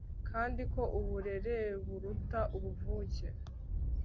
kandi ko uburereburuta ubuvuke